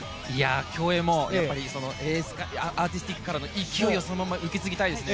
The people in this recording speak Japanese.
競泳もアーティスティックからの勢いをそのまま受け継ぎたいですね。